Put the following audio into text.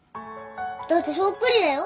だってそっくりだよ。